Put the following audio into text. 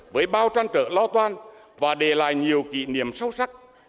với bao trăn trở lo toan và để lại nhiều kỷ niệm sâu sắc